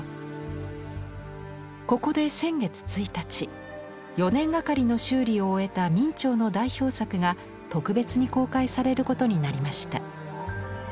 ここで先月１日４年がかりの修理を終えた明兆の代表作が特別に公開されることになりました。